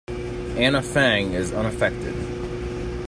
Anna Fang is unaffected.